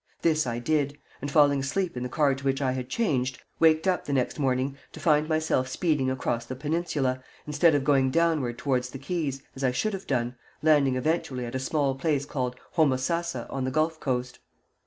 This I did, and falling asleep in the car to which I had changed, waked up the next morning to find myself speeding across the peninsula instead of going downward towards the Keys, as I should have done, landing eventually at a small place called Homosassa, on the Gulf coast.